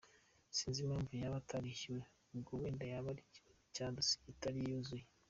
Sinzi impamvu yaba atarishyuwe ubwo wenda cyaba ari ikibazo cya dosiye itari yuzuye.